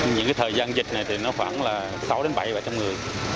những thời gian dịch này khoảng sáu bảy trăm linh người